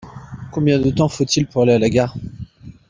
Combien de temps faut-il pour aller à la gare ?